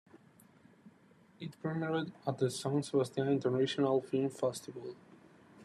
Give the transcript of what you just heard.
It premiered at the San Sebastian International Film Festival.